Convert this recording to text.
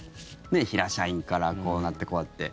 平社員からこうなって、こうやって。